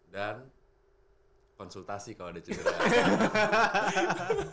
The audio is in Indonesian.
dan konsultasi kalau ada cenderung